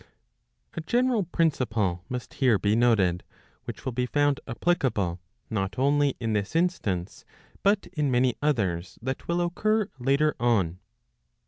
A general principle must here be noted, which will be found applicable not only in this instance but in many others that will occur later on.